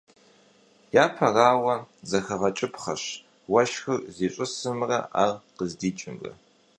Япэрауэ, зэхэгъэкӀыпхъэщ уэшхыр зищӀысымрэ ар къыздикӀымрэ.